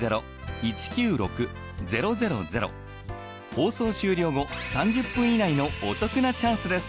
放送終了後３０分以内のお得なチャンスです。